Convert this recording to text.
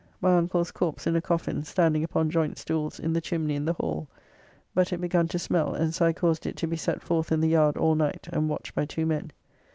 My uncle's corps in a coffin standing upon joynt stools in the chimney in the hall; but it begun to smell, and so I caused it to be set forth in the yard all night, and watched by two men.